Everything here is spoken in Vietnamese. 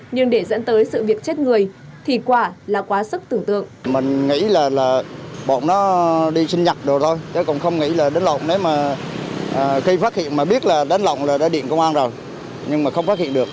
nhưng để dẫn tới sự việc chết người thì quả là quá sức tưởng tượng